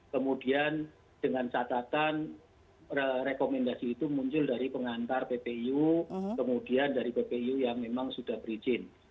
kemudian dengan catatan rekomendasi itu muncul dari pengantar ppu kemudian dari ppu yang memang sudah berizin